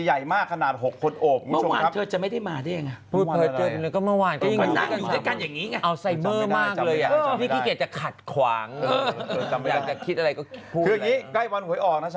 ใหญ่มากขนาด๖คนอก